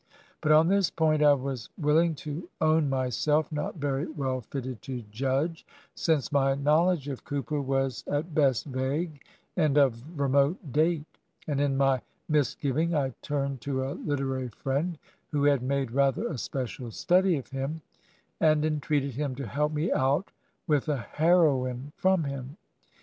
But on this point I was willing to own myself not very well fitted to judge, since my knowledge of Cooper was at best vague and of remote date; and in my misgiving I turned to a literary friend who had made rather a special study of him, and entreated him to help me out with a heroine from him.